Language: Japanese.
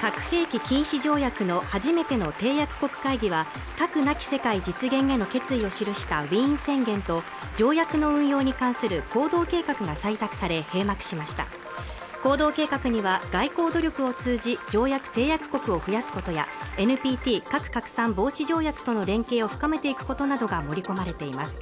核兵器禁止条約の初めての締約国会議は核なき世界実現への決意を記したウィーン宣言と条約の運用に関する行動計画が採択され閉幕しました行動計画には外交努力を通じ条約締約国を増やすことやＮＰＴ＝核拡散防止条約との連携を深めていくことなどが盛り込まれています